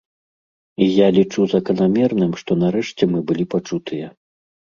І я лічу заканамерным, што нарэшце мы былі пачутыя.